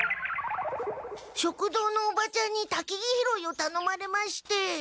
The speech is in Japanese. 食堂のおばちゃんにたきぎ拾いをたのまれまして。